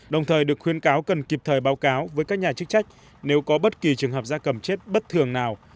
đồng thời được khuyến cáo cần kịp thời báo cáo với các nhà chức trách nếu có bất kỳ trường hợp da cầm chết bất thường nào